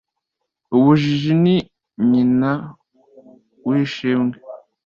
ubujiji ni nyina w'ishimwe